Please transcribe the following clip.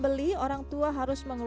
bila dihitungin itu adalah stroller